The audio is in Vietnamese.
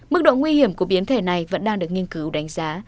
mức độ nguy hiểm của biến thể này vẫn đang được nghiên cứu đánh giá